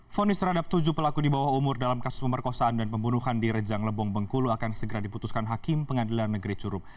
fonis terhadap tujuh pelaku di bawah umur dalam kasus pemerkosaan dan pembunuhan di rejang lebong bengkulu akan segera diputuskan hakim pengadilan negeri curug